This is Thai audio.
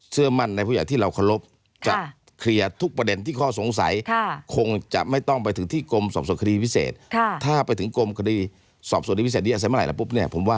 เชื่อมั่นในผู้ใหญ่ที่เราขะลบ